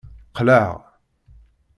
Qleɛ.